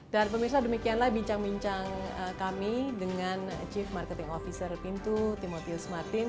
dan pemirsa demikianlah bincang bincang kami dengan chief marketing officer pintu timotius martin